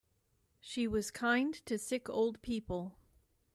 She was kind to sick old people.